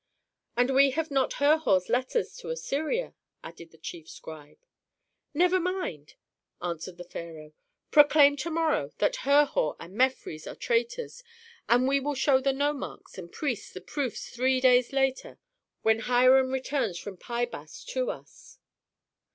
"And we have not Herhor's letters to Assyria," added the chief scribe. "Never mind!" answered the pharaoh. "Proclaim to morrow that Herhor and Mefres are traitors, and we will show the nomarchs and priests the proofs three days later when Hiram returns from Pi Bast to us."